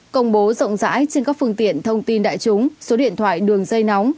công bố rộng rãi trên các phương tiện thông tin đại chúng số điện thoại đường dây nóng